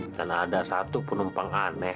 karena ada satu penumpang aneh